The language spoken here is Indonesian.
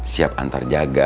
siap antar jaga